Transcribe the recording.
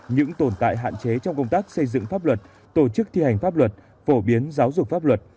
những tồn tại hạn chế trong công tác xây dựng pháp luật tổ chức thi hành pháp luật phổ biến giáo dục pháp luật